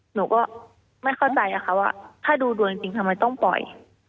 หนูก็ไม่เข้าใจอะค่ะว่าถ้าดูดวงจริงทำไมต้องปล่อย